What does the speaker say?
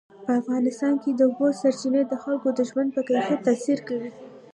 په افغانستان کې د اوبو سرچینې د خلکو د ژوند په کیفیت تاثیر کوي.